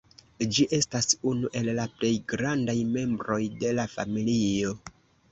Ĝi estas unu el la plej grandaj membroj de la familio.